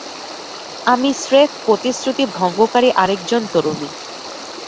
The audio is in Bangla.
আমি স্রেফ প্রতিশ্রুতি ভঙ্গকারী আরেকজন তরুণী।